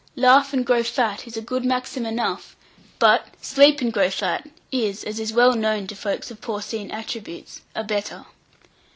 "Laugh and grow fat" is a good maxim enough; but "Sleep and grow fat" is, as is well known to folks of porcine attributes, a better.